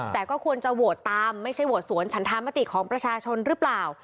แต่ก็ควรจะโหวตตามไม่ใช่โหวตสวนฉันธรรมติของประชาชนหรือเปล่า